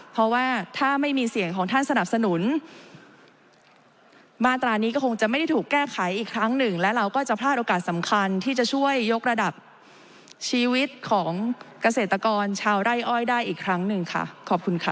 เพราะว่าถ้าไม่มีเสียงของท่านสนับสนุนมาตรานี้ก็คงจะไม่ได้ถูกแก้ไขอีกครั้งหนึ่งและเราก็จะพลาดโอกาสสำคัญที่จะช่วยยกระดับชีวิตของเกษตรกรชาวไร่อ้อยได้อีกครั้งหนึ่งค่ะขอบคุณค่ะ